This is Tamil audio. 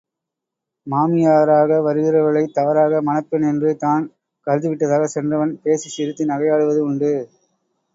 மாமியாராக வருகிறவர்களைத் தவறாக மணப்பெண் என்று தான் கருதிவிட்டதாகச் சென்றவன் பேசிச் சிரித்து நகையாடுவது உண்டு.